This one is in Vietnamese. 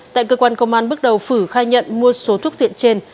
tại cơ quan công an bước đầu phử khai nhận mua số thuốc phiện trên